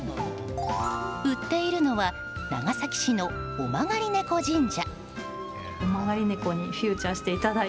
売っているのは長崎市の尾曲がりねこ神社。